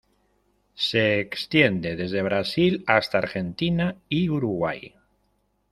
Se extiende desde Brasil hasta Argentina y Uruguay.